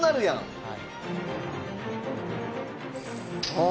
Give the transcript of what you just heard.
はい。